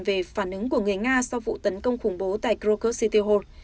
về phản ứng của người nga sau vụ tấn công khủng bố tại kroger city hall